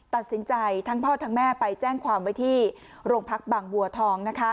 ตัดสินใจทั้งพ่อทั้งแม่ไปแจ้งความไว้ที่โรงพักบางบัวทอง